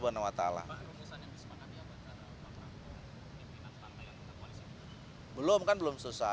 pak rumusan yang disemakannya pada pak prabowo yang pindah sampai ke koleksi indonesia maju